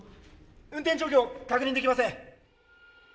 運転状況確認できません。